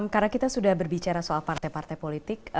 karena kita sudah berbicara soal partai partai politik